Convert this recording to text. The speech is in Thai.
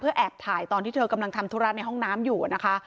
แอบถ่ายตอนที่เธอกำลังทำธุระในห้องน้ำอยู่นะคะ